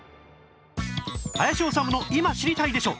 『林修の今知りたいでしょ！』